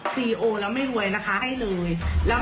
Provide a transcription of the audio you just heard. มีความรู้สึกว่ามีความรู้สึกว่ามีความรู้สึกว่า